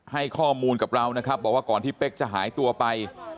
ให้ข้อมูลกับเรานะครับบอกว่าก่อนที่เป๊กจะหายตัวไป